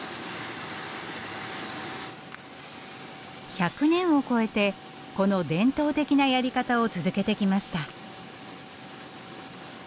１００年を超えてこの伝統的なやり方を続けてきました。